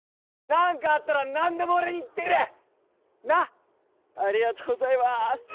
何かあったら何でも俺に言ってくれなっありがとうございます